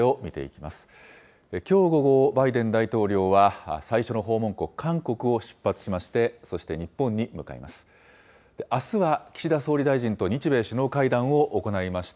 きょう午後、バイデン大統領は最初の訪問国、韓国を出発しまして、そして日本に向かいます。